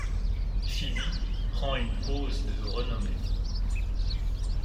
Fibi, prends une pose de Renommée.